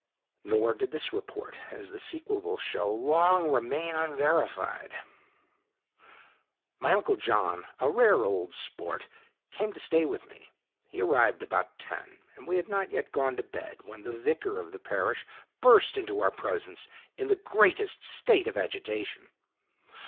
"Nor did this report, as the sequel will show, long remain unverified. "My uncle John, a rare old 'sport,' came to stay with me. He arrived about ten, and we had not yet gone to bed when the vicar of the parish burst into our presence in the greatest state of agitation.